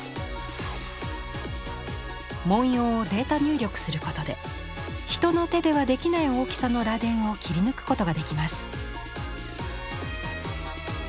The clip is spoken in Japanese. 文様をデータ入力することで人の手ではできない大きさの螺鈿を切り抜くことができます。